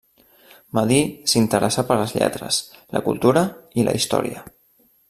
Medir s'interessà per les lletres, la cultura i la història.